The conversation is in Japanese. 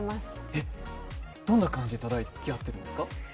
えっ、どんな感じでたたき合ってるんですか？